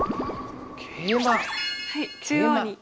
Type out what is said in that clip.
はい中央に。